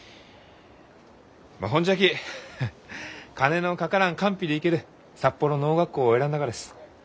ほんじゃきフッ金のかからん官費で行ける札幌農学校を選んだがです。